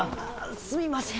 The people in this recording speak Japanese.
すみません